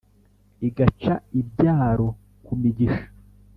igaca ibyaro ku migisha.